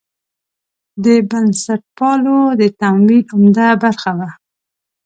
د بنسټپالو د تمویل عمده برخه وه.